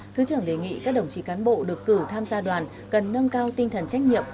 thứ trưởng đề nghị các đồng chí cán bộ được cử tham gia đoàn cần nâng cao tinh thần trách nhiệm